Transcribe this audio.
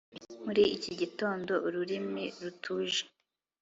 muri iki gitondo, ururimi rutuje